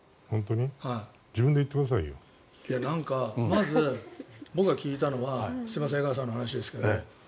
まず、僕が聞いたのはすみません江川さんの話ですけど。